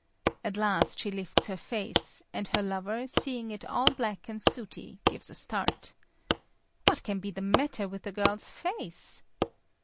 At last she lifts her face, and her lover, seeing it all black and sooty, gives a start. What can be the matter with the girl's face?